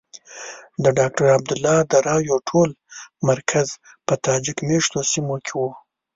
د ډاکټر عبدالله د رایو ټول مرکز په تاجک مېشتو سیمو کې وو.